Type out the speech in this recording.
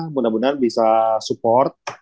mudah mudahan bisa support